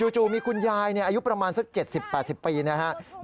จู่มีคุณยายอายุประมาณสัก๗๐๘๐ปีนะครับ